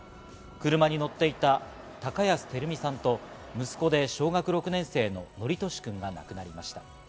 車に乗っていた高安照美さんと息子で小学６年生の規稔くんが亡くなりました。